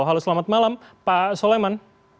halo selamat malam pak soleman